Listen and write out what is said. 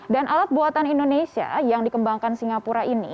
dan alat buatan indonesia yang dikembangkan singapura ini